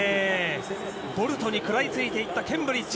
ボルトに食らいついていったケンブリッジ。